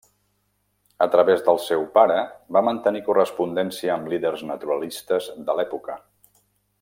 A través del seu pare, va mantenir correspondència amb líders naturalistes de l'època.